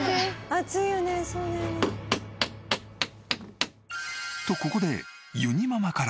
暑いよねそうだよね。とここでゆにママから。